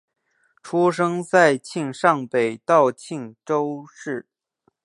出生在庆尚北道庆州市。